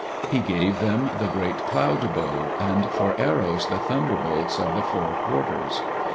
He gave them the great cloud bow, and for arrows the thunderbolts of the four quarters.